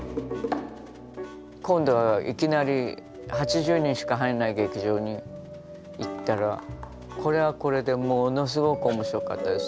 今度はいきなり８０人しか入んない劇場に行ったらこれはこれでものすごく面白かったです。